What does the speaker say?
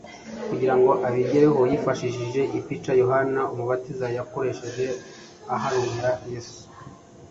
Kugira ngo abigereho yifashishije ipica Yohana Umubatiza yakoresheje aharuya Yesu.